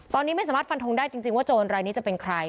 ตอนนี้ไม่สามารถฟันทงได้จริงว่าโจรรายนี้จะเป็นใคร